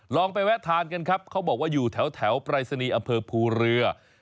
ลองไปแวะทานกันครับเขาบอกว่าอยู่แถวปรายศนีย์อำเภอภูเรือ